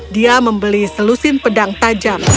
dia membeli selusin pedang tajam